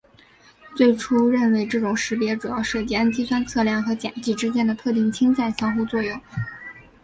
最初认为这种识别主要涉及氨基酸侧链和碱基之间的特定氢键相互作用。